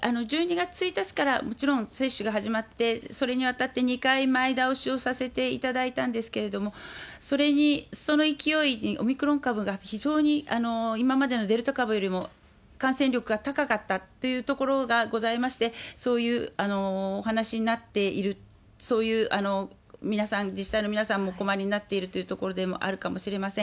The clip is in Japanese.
１２月１日から、もちろん接種が始まって、それにあたって２回前倒しをさせていただいたんですけども、その勢いにオミクロン株が非常に、今までのデルタ株よりも感染力が高かったというところがございまして、そういうお話になっている、そういう皆さん、